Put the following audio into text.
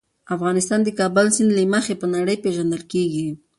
افغانستان د کابل سیند له مخې په نړۍ پېژندل کېږي.